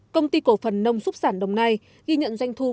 công ty cổ phần nông xúc sản đồng nai ghi nhận doanh thu